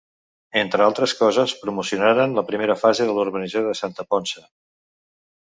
Entre altres coses promocionaren la primera fase de la urbanització de Santa Ponça.